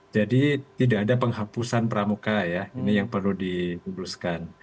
jadi tidak ada penghapusan peramuka ya ini yang perlu dikhususkan